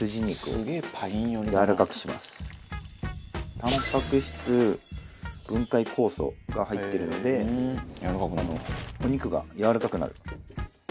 たんぱく質分解酵素が入ってるのでお肉がやわらかくなる。